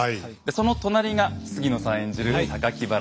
その隣が杉野さん演じる